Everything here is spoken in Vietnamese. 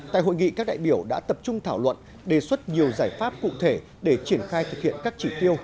tại hội nghị các đại biểu đã tập trung thảo luận đề xuất nhiều giải pháp cụ thể để triển khai thực hiện các chỉ tiêu